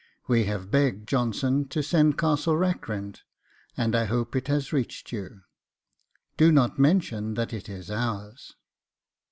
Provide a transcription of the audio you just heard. ... We have begged Johnson to send CASTLE RACKRENT, and hope it has reached you. DO NOT MENTION THAT IT IS OURS.